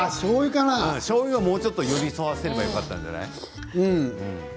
もうちょっと寄り添わせればよかったんじゃない？